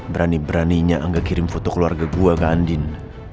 berani beraninya angga kirim foto keluarga gue ke andin